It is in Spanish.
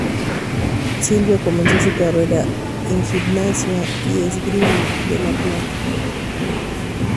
Silva comenzó su carrera en Gimnasia y Esgrima de La Plata.